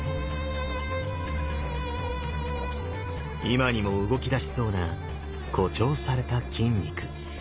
今にも動きだしそうな誇張された筋肉。